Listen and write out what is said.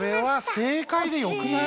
これは正解でよくない？